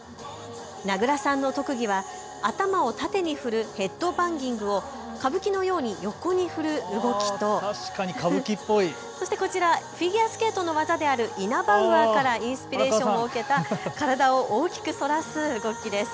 名倉さんの特技は頭を縦に振るヘッドバンギングを歌舞伎のように横に振る動きとそしてこちらフィギュアスケートの技であるイナバウアーからインスピレーションを受けた体を大きく反らす動きです。